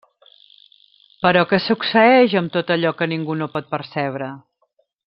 Però, què succeeix amb tot allò que ningú no pot percebre?